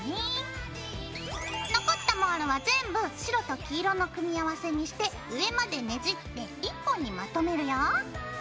残ったモールは全部白と黄色の組み合わせにして上までねじって１本にまとめるよ。